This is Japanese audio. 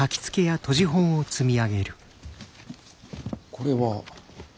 これは。